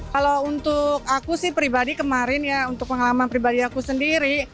kalau untuk aku sih pribadi kemarin ya untuk pengalaman pribadi aku sendiri